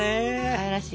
かわいらしい。